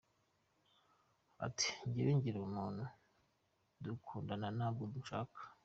Ati “ Njyewe ngira umuntu dukundana ntabwo ndashaka.